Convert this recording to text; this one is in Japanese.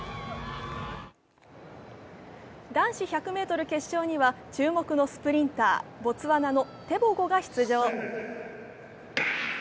男子１００ｍ決勝には注目のスプリンター、ボツワナのテボゴが出場。